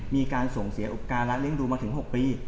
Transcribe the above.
มีการส่งเสียอุปการณ์และเล่นรู้มาถึง๖ปี